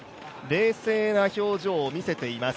冷静な表情を見せています。